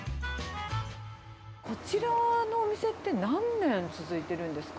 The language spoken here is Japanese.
こちらのお店って、何年続いてるんですか？